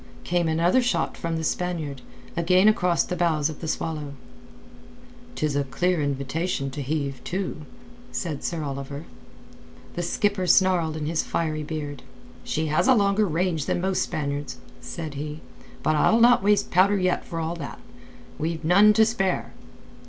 Came another shot from the Spaniard, again across the bows of the Swallow. "'Tis a clear invitation to heave to," said Sir Oliver. The skipper snarled in his fiery beard. "She has a longer range than most Spaniards," said he. "But I'll not waste powder yet for all that. We've none to spare."